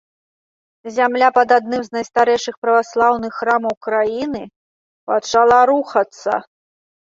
Зямля пад адным з найстарэйшых праваслаўных храмаў краіны пачала рухацца.